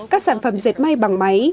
các sản phẩm dệt may bằng máy